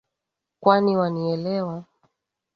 Kwani wanielewa?